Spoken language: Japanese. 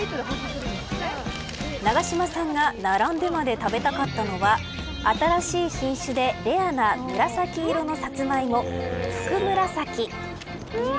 永島さんが並んでまで食べたかったのは新しい品種でレアな紫色のサツマイモ福紫。